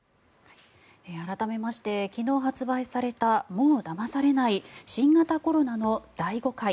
改めまして昨日発売された「もうだまされない新型コロナの大誤解」。